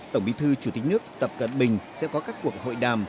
tổng bí thư chủ tịch nước tập cận bình sẽ có các cuộc hội đàm